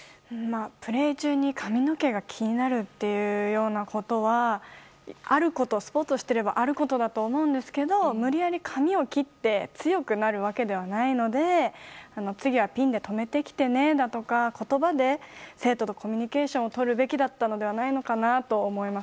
プレー中に髪の毛が気になるというようなことはスポーツをしていればあることだと思うんですが無理やり髪を切って強くなるわけではないので次はピンでとめてきてねとか言葉で生徒とコミュニケーションとるべきだったのではないのかなと思います。